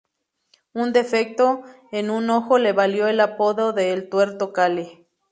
Un defecto en un ojo le valió el apodo de "El Tuerto Calle".